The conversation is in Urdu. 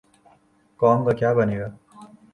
قوم کا کیا بنے گا؟